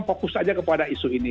fokus aja kepada isu ini